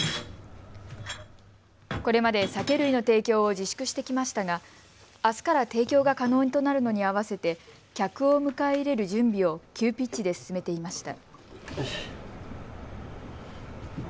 これまで酒類の提供を自粛してきましたがあすから提供が可能となるのに合わせて客を迎え入れる準備を急ピッチで進めていました。